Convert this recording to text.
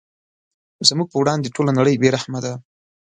زموږ په وړاندې ټوله نړۍ بې رحمه ده.